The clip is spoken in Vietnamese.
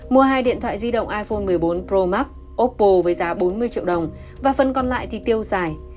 mua hai điện thoại di động iphone một mươi bốn pro max oppo với giá bốn mươi triệu đồng và phần còn lại tiêu giải